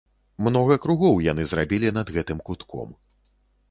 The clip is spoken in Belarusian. Многа кругоў яны зрабілі над гэтым кутком.